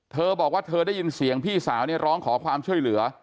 เธอบอกว่าเธอได้ยินเสียงพี่สาวเนี่ยร้องขอความช่วยเหลือ